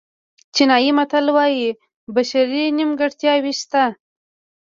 چینایي متل وایي بشري نیمګړتیاوې شته.